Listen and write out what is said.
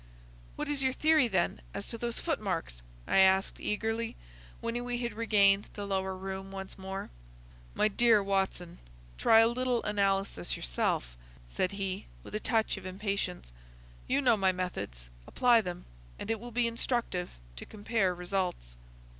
"What is your theory, then, as to those footmarks?" I asked, eagerly, when we had regained the lower room once more. "My dear Watson, try a little analysis yourself," said he, with a touch of impatience. "You know my methods. Apply them, and it will be instructive to compare results."